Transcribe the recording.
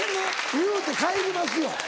言うて帰りますよ。